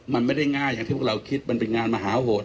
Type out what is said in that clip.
มันไม่ได้ง่ายอย่างที่พวกเราคิดมันเป็นงานมหาโหด